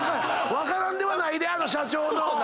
分からんではないであの社長の。